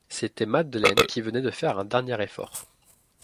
C'était Madeleine qui venait de faire un dernier effort.